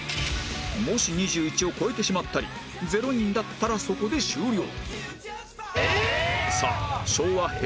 もし２１を超えてしまったり０人だったらそこで終了